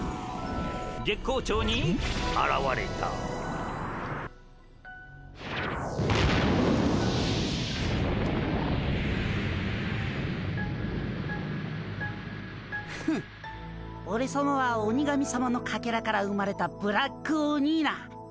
月光町にあらわれたフッオレさまは鬼神さまのかけらから生まれたブラックオニーナ。